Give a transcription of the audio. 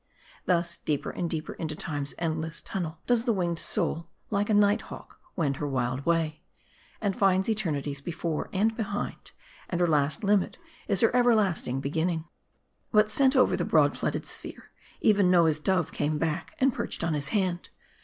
Thus deeper and deeper into Time's endless tunnel, does the winged soul, like a night hawk, wend her wild way; and finds eternities before and behind; and her last limit is her everlasting beginning. But sent over the broad flooded sphere, even Noah's dove came back, and perched on hi& hand.